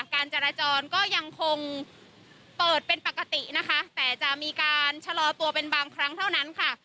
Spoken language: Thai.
การจราจรก็ยังคงเปิดเป็นปกตินะคะแต่จะมีการชะลอตัวเป็นบางครั้งเท่านั้นค่ะ